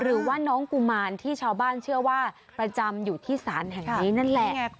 หรือว่าน้องกุมารที่ชาวบ้านเชื่อว่าประจำอยู่ที่ศาลแห่งนี้นั่นแหละ